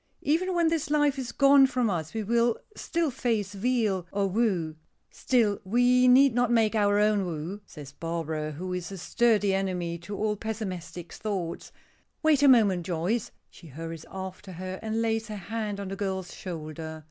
Even when this life is gone from us we still face weal or woe." "Still we need not make our own woe," says Barbara, who is a sturdy enemy to all pessimistic thoughts. "Wait a moment, Joyce." She hurries after her and lays her hand on the girl's shoulder.